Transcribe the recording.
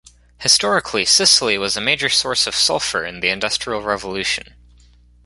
Historically, Sicily was a major source of sulfur in the Industrial Revolution.